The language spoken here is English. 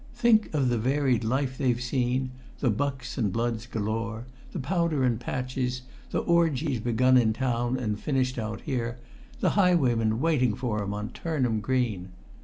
Think of the varied life they've seen, the bucks and bloods galore, the powder and patches, the orgies begun in town and finished out here, the highwaymen waiting for 'em on Turnham Green!